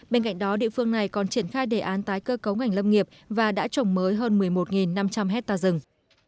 bên cạnh đó địa phương này còn triển khai đề án tái cơ cấu ngành lâm nghiệp và đã trồng mới hơn một mươi một năm trăm linh hectare rừng